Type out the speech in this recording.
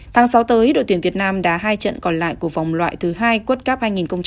tháng sáu tới đội tuyển việt nam đã hai trận còn lại của vòng loại thứ hai quốc cấp hai nghìn hai mươi sáu